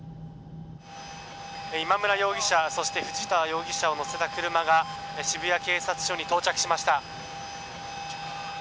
今村容疑者そして藤田容疑者を乗せた車が渋谷警察署に到着しました。